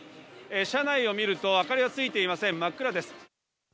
車内を見ると、あかりはついていません、真っ暗です。